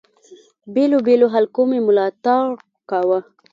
بېلو بېلو حلقو مي ملاتړ کاوه.